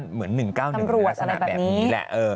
เหมือน๑๙๑ลักษณะแบบนี้แหละ